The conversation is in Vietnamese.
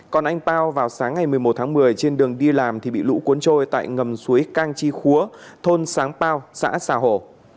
còn anh pao vào sáng ngày một mươi một tháng một mươi trên đường đi làm thì bị lũ cuốn trôi tại ngầm suối cang chi kha thôn sáng pao xã xà hồ